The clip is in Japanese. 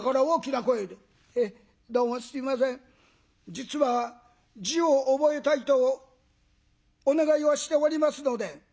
実は字を覚えたいとお願いをしておりますので」。